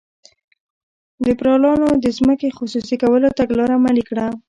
لیبرالانو د ځمکې خصوصي کولو تګلاره عملي کړه.